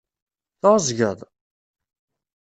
Tεezgeḍ?